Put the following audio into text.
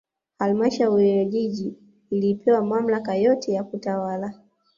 halmashauri ya jiji ilipewa mamlaka yote ya kutawala